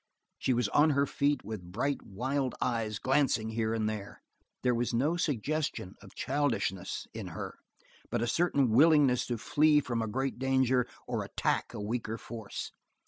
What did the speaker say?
She was on her feet, with bright, wild eyes glancing here and there. There was no suggestion of childishness in her, but a certain willingness to flee from a great danger or attack a weaker force.